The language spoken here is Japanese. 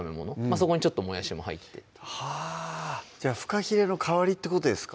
そこにちょっともやしも入ってはぁじゃあふかひれの代わりってことですか？